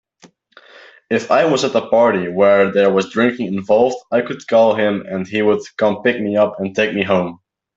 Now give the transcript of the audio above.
If I was at a party where there was drinking involved, I could call him and he would come pick me up and take me home.